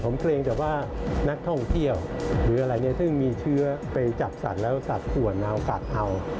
ไม่มีเชื้อไปจัดสัตว์แล้วสัตว์ขวนเอาสัตว์เอา